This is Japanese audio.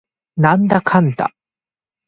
なんだかんだ